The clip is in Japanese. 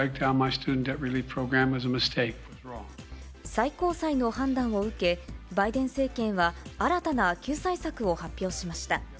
最高裁の判断を受け、バイデン政権は、新たな救済策を発表しました。